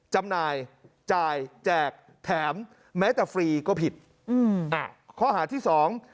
จำหน่ายจ่ายแจกแถมแม้แต่ฟรีก็ผิดอืมอ่าข้อหาที่สอง